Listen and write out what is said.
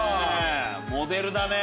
モデルだね！